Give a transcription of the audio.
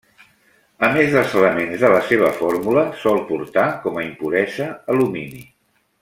A més dels elements de la seva fórmula, sol portar com a impuresa alumini.